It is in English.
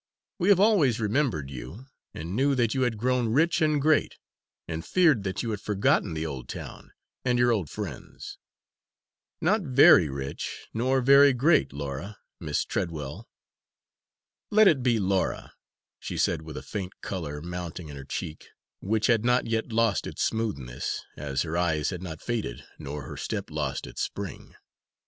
We have always remembered you, and knew that you had grown rich and great, and feared that you had forgotten the old town and your old friends." "Not very rich, nor very great, Laura Miss Treadwell." "Let it be Laura," she said with a faint colour mounting in her cheek, which had not yet lost its smoothness, as her eyes had not faded, nor her step lost its spring.